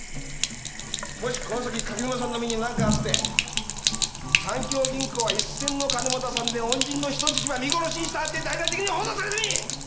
もしこの先垣沼さんの身に何かあって三協銀行は一銭の金も出さんで恩人の人質ば見殺しにしたって大々的に報道されてみ！